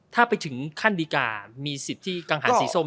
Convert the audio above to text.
ถ้าไปถึงขั้นดีกามีสิทธิกางหาสีส้ม